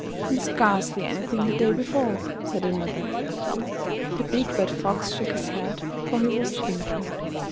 "And scarcely anything the day before," said another. The big bad Fox shook his head, for he was thinking.